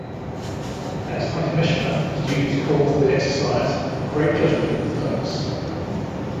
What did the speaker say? As High Commissioner his duties called for the exercise of great judgment and firmness.